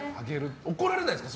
怒られないですか？